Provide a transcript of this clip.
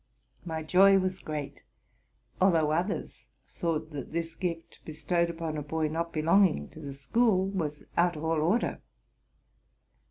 My joy was great; although others thought that this gift, bestowed upon a boy not belonging to the school, was out of all order.